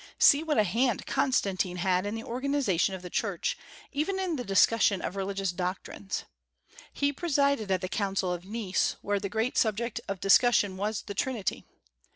See what a hand Constantine had in the organization of the Church, even in the discussion of religious doctrines. He presided at the Council of Nice, where the great subject of discussion was the Trinity.